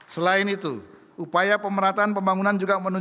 selain itu upaya pemerhatan pembangunan juga menurun